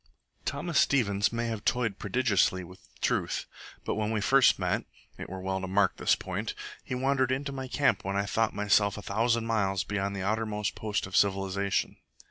Thomas Stevens may have toyed prodigiously with truth, but when we first met (it were well to mark this point), he wandered into my camp when I thought myself a thousand miles beyond the outermost post of civilization.